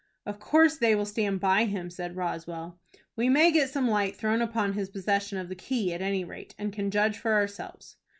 "Of course they will stand by him," said Roswell. "We may get some light thrown upon his possession of the key, at any rate, and can judge for ourselves."